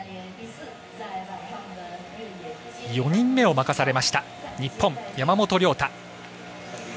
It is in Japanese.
４人目を任された日本、山本涼太。